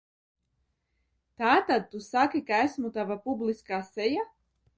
Tātad tu saki, ka esmu tava publiskā seja?